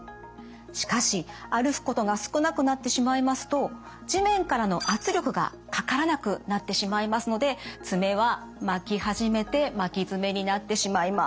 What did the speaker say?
しかし歩くことが少なくなってしまいますと地面からの圧力がかからなくなってしまいますので爪は巻き始めて巻き爪になってしまいます。